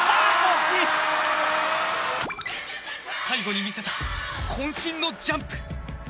最後に見せた渾身のジャンプ。